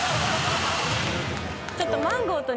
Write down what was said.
ちょっと。